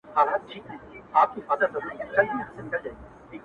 چي خدای پر دې دنیا و هيچا ته بدنام نه کړم